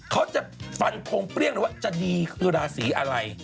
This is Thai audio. เขาจะฟันทงเปรี้ยงเลยว่าจะดีคือราศีอะไร